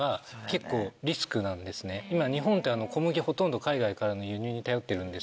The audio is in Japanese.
今日本って小麦ほとんど海外からの輸入に頼ってるんですけど。